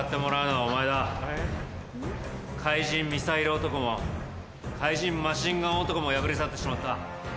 怪人ミサイル男も怪人マシンガン男も敗れ去ってしまった。